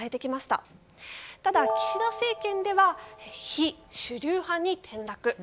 ただ、岸田政権では非主流派に転落。